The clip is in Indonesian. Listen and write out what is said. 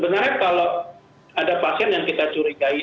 sebenarnya kalau ada pasien yang kita curigai